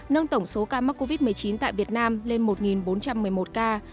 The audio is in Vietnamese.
nâng tổng số ca mắc covid một mươi chín tại việt nam lên một bốn trăm một mươi một ca